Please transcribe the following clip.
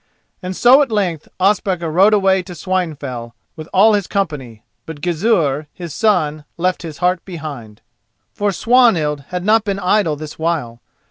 And so at length Ospakar rode away to Swinefell with all his company; but Gizur, his son, left his heart behind. For Swanhild had not been idle this while.